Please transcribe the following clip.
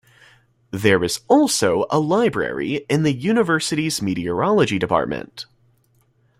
There is also a library in the University's Meteorology department.